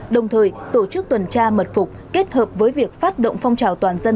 đồng thời tổ chức tuần tra mật phục kết hợp với việc phát động phong trào toàn dân